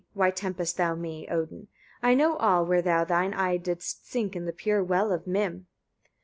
Why temptest thou me? Odin! I know all, where thou thine eye didst sink in the pure well of Mim."